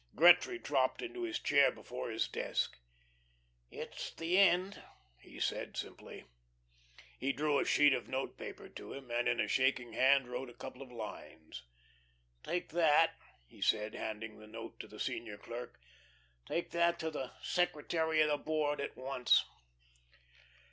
Gretry dropped into his chair before his desk. "It's the end," he said, simply. He drew a sheet of note paper to him, and in a shaking hand wrote a couple of lines. "Take that," he said, handing the note to the senior clerk, "take that to the secretary of the Board at once."